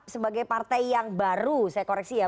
sebagai partai yang baru saya koreksi ya